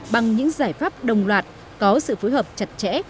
bằng những giải pháp đồng loạt có sự phối hợp chặt chẽ